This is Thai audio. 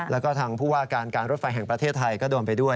แล้วก็ทางผู้ว่าการการรถไฟแห่งประเทศไทยก็โดนไปด้วย